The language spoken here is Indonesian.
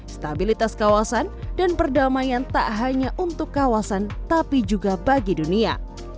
stabilitas kawasan dan perdamaian tak hanya untuk kawasan tapi juga bagi dunia